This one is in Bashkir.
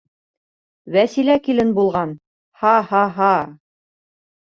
Вәсилә килен булған! һа-һа-һа!